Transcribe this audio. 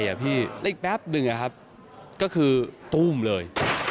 แล้วอีกแป๊บหนึ่งก็คือตู้มเลย